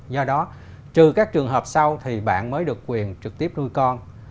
do đó trừ các trường hợp sau thì bạn mới được quyền trực tiếp nuôi con